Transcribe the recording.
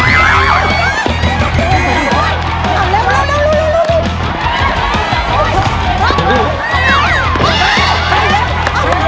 เร็ว